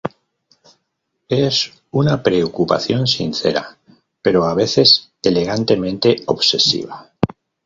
Es una preocupación sincera, pero a veces elegantemente obsesiva.